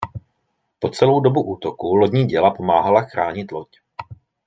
Po celou dobu útoku lodní děla pomáhala chránit loď.